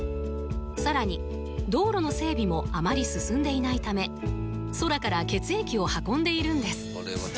さらに道路の整備もあまり進んでいないため空から血液を運んでいるんです